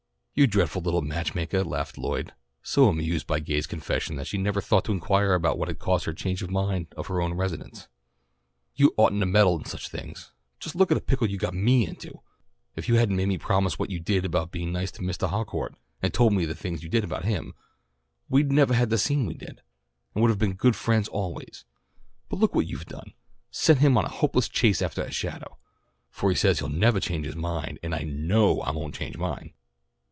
"You dreadful little match makah," laughed Lloyd, so amused by Gay's confession that she never thought to inquire what had caused her change of mind about her own residence. "You oughtn't to meddle in such things. Just look what a pickle you got me into. If you hadn't made me promise what you did about being nice to Mistah Harcourt, and told him the things you did about me, we'd nevah have had the scene we did, and would have been good friends always. But look what you've done. Sent him on a hopeless chase aftah a shadow, for he says he'll nevah change his mind, and I know I won't change mine."